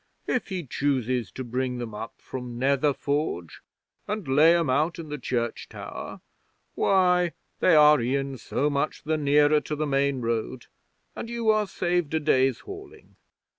If he chooses to bring them up from Nether Forge and lay 'em out in the church tower, why, they are e'en so much the nearer to the main road and you are saved a day's hauling.